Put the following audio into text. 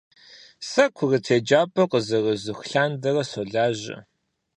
Сэ курыт еджапӀэр къызэрызух лъандэрэ солажьэ.